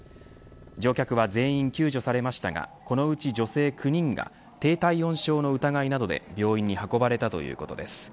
乗客は全員救助されましたがこのうち女性９人が低体温症の疑いなどで病院に運ばれたということです。